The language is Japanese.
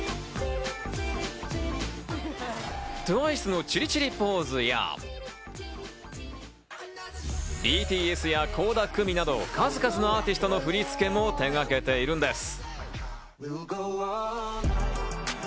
ＴＷＩＣＥのチリチリポーズや、ＢＴＳや倖田來未など数々のアーティストの振り付けも手がけているんです。